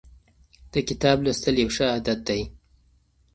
د کتاب لوستل یو ښه عادت دی.